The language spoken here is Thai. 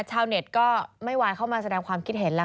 ชาวเน็ตก็ไม่วายเข้ามาแสดงความคิดเห็นแล้ว